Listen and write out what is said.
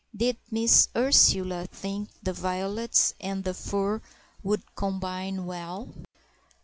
Did Miss Ursula think the violets and the fur would combine well?